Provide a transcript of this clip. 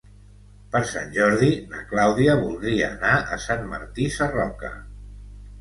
Per Sant Jordi na Clàudia voldria anar a Sant Martí Sarroca.